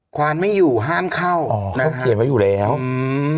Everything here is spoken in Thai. ความไม่อยู่ห้ามเข้าอ๋อเขาเขียนไว้อยู่แล้วอืม